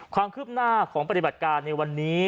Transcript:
ความคืบหน้าของปฏิบัติการในวันนี้